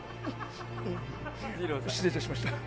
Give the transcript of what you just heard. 失礼いたしました。